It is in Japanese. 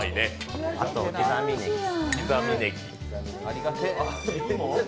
あとは刻みねぎ。